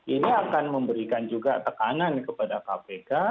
ini akan memberikan juga tekanan kepada kpk